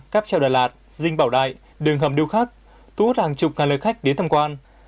cáp treo đà lạt rinh bảo đại đường hầm điêu khắc tú hút hàng chục ngàn lời khách đến thăm quan